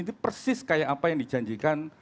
itu persis kayak apa yang dijanjikan